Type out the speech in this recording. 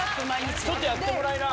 ちょっとやってもらいな。